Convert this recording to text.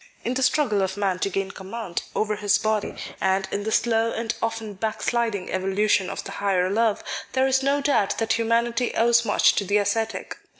In the struggle of man to gain command over his body, and in the slow and often backsliding evolution of the higher love, there is no doubt that humanity owes much to the ascetic.